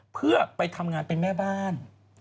เพื่อไปทำงานเป็นแม่บ้าน